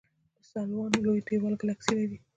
د سلوان لوی دیوال ګلکسي لري.